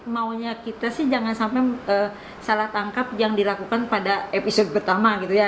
maunya kita sih jangan sampai salah tangkap yang dilakukan pada episode pertama gitu ya